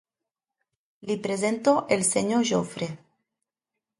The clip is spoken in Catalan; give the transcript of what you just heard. Li presento el senyor Jofre.